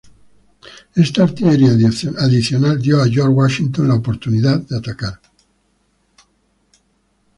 Esta artillería adicional dio a George Washington la oportunidad de atacar.